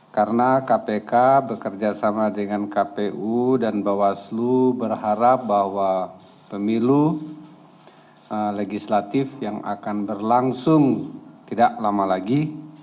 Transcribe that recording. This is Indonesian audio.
karena kpk bekerjasama dengan kpu dan bawaslu berharap bahwa pemilu legislatif yang akan berlangsung tidak lama lagi